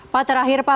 pak terakhir pak